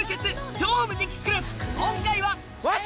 『超無敵クラス』今回はあい！